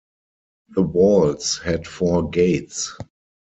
The walls had four gates.